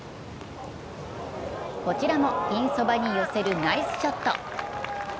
こちらのピンそばに寄せるナイスショット。